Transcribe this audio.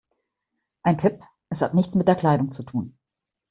Ein Tipp: Es hat nichts mit der Kleidung zu tun.